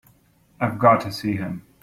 I've got to see him.